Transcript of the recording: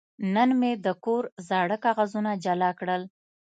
نن مې د کور زاړه کاغذونه جلا کړل.